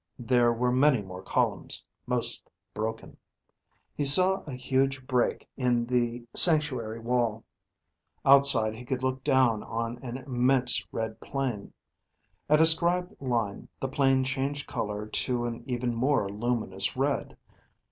There were many more columns, most broken. He saw a huge break in the sanctuary wall. Outside he could look down on an immense red plain. At a scribed line, the plain changed color to an even more luminous red.